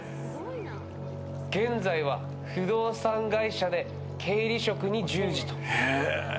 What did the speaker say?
現在は不動産会社で経理職に従事と。